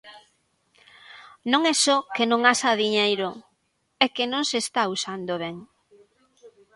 Non é só que non haxa diñeiro, é que non se está usando ben.